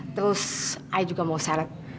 terus ayah juga mau salad